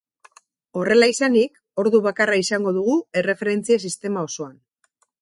Horrela izanik, ordu bakarra izango dugu erreferentzia-sistema osoan.